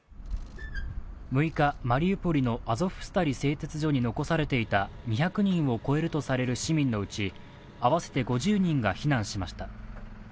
６日、マリウポリのアゾフスタリ製鉄所に残されていた２００人を超えるとされる市民のうち合わせて５０人が避難しました。